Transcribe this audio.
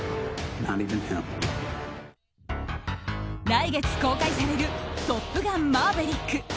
来月公開される「トップガンマーヴェリック」。